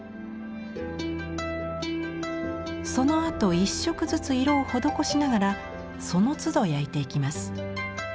そのあと一色ずつ色を施しながらそのつど焼いていきます。